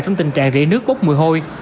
trong tình trạng rễ nước bốc mùi hôi